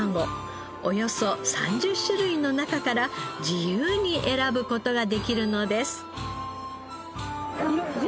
およそ３０種類の中から自由に選ぶ事ができるのです。